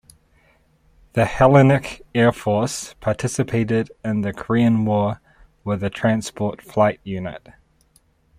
The Hellenic Air Force participated in the Korean War with a transport flight unit.